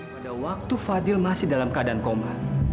pada waktu fadil masih dalam keadaan koma